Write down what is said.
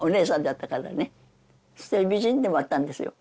そして美人でもあったんですよ。